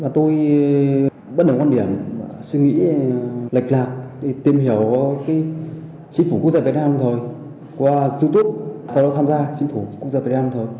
tôi bất đồng quan điểm suy nghĩ lệch lạc để tìm hiểu chính phủ quốc gia việt nam lâm thời qua youtube sau đó tham gia chính phủ quốc gia việt nam lâm thời